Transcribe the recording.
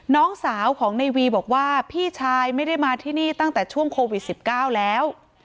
น้องสาวของในวีบอกว่าพี่ชายไม่ได้มาที่นี่ตั้งแต่ช่วงโควิด๑๙แล้ว